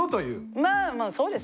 まあそうです。